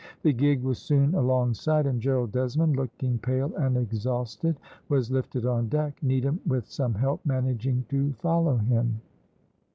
The gig was soon alongside, and Gerald Desmond, looking pale and exhausted, was lifted on deck; Needham, with some help, managing to follow him.